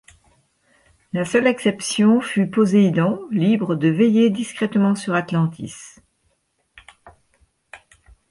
La seule exception fut Poséidon, libre de veiller discrètement sur Atlantis.